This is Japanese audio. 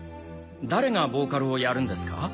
誰がボーカルをやるんですか？